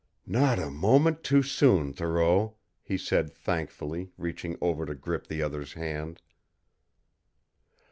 "Not a moment too soon, Thoreau," he said thankfully, reaching over to grip the other's hand.